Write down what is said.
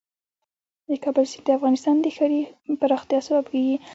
د کابل سیند د افغانستان د ښاري پراختیا سبب کېږي.